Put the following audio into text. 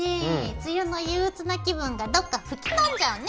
梅雨の憂鬱な気分がどっか吹っ飛んじゃうね！